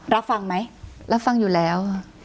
รับฟังไหมรับฟังอยู่แล้ว